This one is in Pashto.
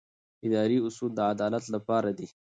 اداري اصول د عدالت لپاره دي.